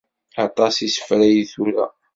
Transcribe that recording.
Aṭas isefra i tura.